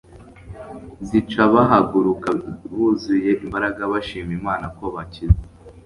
zica bahaguruka buzuye imbaraga bashima Imana ko bakize.